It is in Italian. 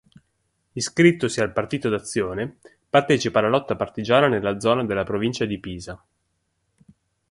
Iscrittosi al Partito d'Azione partecipa alla lotta partigiana nella zona della provincia di Pisa.